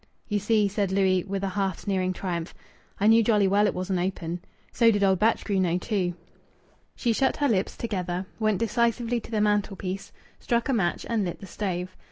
"You see," said Louis, with a half sneering triumph, "I knew jolly well it wasn't open. So did old Batchgrew know, too." She shut her lips together, went decisively to the mantelpiece, struck a match, and lit the stove.